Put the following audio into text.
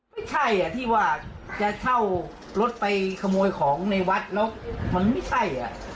ไม่ใช่ที่ว่าจะเช่ารถไปขโมยของในวัดแล้วมันไม่ใช่